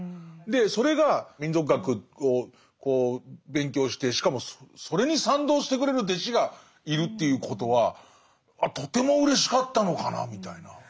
でそれが民俗学を勉強してしかもそれに賛同してくれる弟子がいるっていうことはとてもうれしかったのかなみたいな。